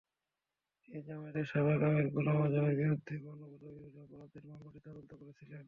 তিনি জামায়াতের সাবেক আমির গোলাম আযমের বিরুদ্ধে মানবতাবিরোধী অপরাধের মামলাটিও তদন্ত করেছিলেন।